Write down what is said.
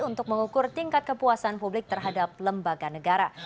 untuk mengukur tingkat kepuasan publik terhadap lembaga negara